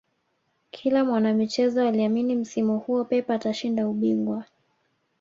kila mwanamichezo aliamini msimu huo pep atashinda ubingwa